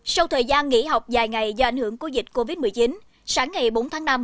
sau thời gian nghỉ học dài ngày do ảnh hưởng của dịch covid một mươi chín sáng ngày bốn tháng năm